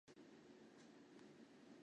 鲑鱼饭团明天当早餐